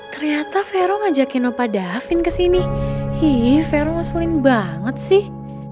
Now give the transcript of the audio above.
ternyata vero ngajakin opa davin kesini ih vero ngeselin banget sih